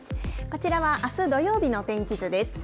こちらはあす土曜日の天気図です。